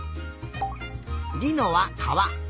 りのはかわ。